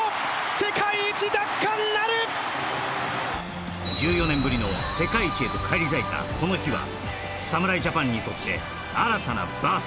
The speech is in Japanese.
世界一奪還なる１４年ぶりの世界一へと返り咲いたこの日は侍ジャパンにとって新たなバース・